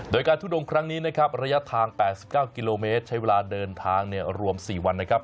โดยการทุดงครั้งนี้นะครับระยะทาง๘๙กิโลเมตรใช้เวลาเดินทางรวม๔วันนะครับ